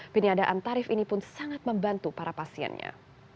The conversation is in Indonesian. peniadaan tarif ini pun sangat membantu para pasiennya